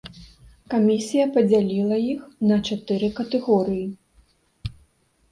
Камісія падзяліла іх на чатыры катэгорыі.